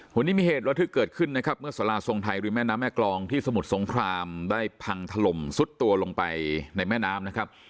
วันนี้มีเหตุระทึกเกิดขึ้นนะครับเมื่อสาราทรงไทยริมแม่น้ำแม่กรองที่สมุทรสงครามได้พังถล่มซุดตัวลงไปในแม่น้ำนะครับ